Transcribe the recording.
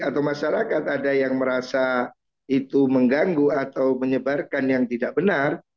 atau masyarakat ada yang merasa itu mengganggu atau menyebarkan yang tidak benar